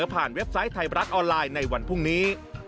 เว็บไซต์ไทยรัฐออนไลน์ในวันพรุ่งนี้